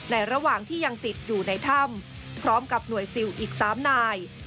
ระหว่างที่ยังติดอยู่ในถ้ำพร้อมกับหน่วยซิลอีก๓นาย